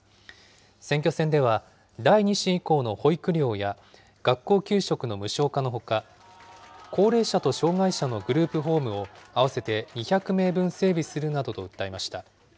選挙戦では第２子以降の保育料や学校給食の無償化のほか、高齢者と障害者のグループホームを、合わせて２００名分整備するなどと訴えました。